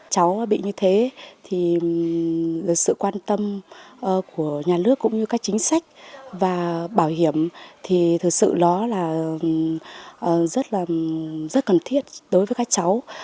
cháu bị như thế thì được sự quan tâm của nhà nước cũng như các chính sách và bảo hiểm thì thực sự đó là rất là cần thiết đối với các cháu